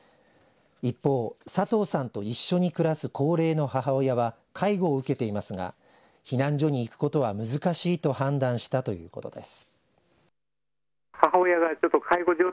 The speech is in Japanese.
一方、佐藤さんと一緒に暮らす高齢の母親は介護を受けていますが避難所に行くことは難しいと判断したということです。